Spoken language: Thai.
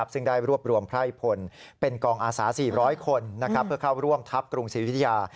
ซึ่งได้รวบรวมไพร่พลเป็นกองอาสา๔๐๐คนเพื่อเข้าร่วมทัพกรุงศรีวิทยา